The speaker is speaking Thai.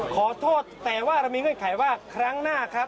ขอโทษแต่ว่าเรามีเงื่อนไขว่าครั้งหน้าครับ